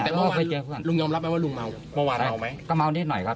แต่เมื่อวานลุงยอมรับไหมว่าลุงเมา